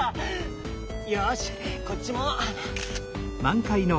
よしこっちも。